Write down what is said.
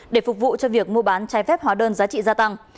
để phục vụ cho việc mua bán trái phép hóa đơn giá trị gia tăng